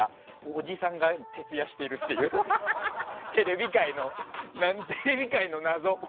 おじさんが徹夜しているっていうテレビ界の謎。